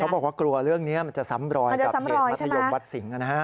บอกว่ากลัวเรื่องนี้มันจะซ้ำรอยกับเหตุมัธยมวัดสิงห์นะฮะ